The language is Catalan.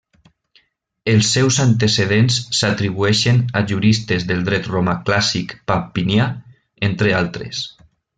Els seus antecedents s'atribueixen a juristes del dret romà clàssic Papinià, entre altres.